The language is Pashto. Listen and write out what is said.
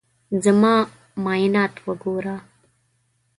زما معاینات وګوره.